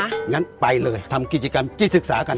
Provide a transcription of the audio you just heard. งั้นไปเลยทำกิจกรรมที่ศึกษากัน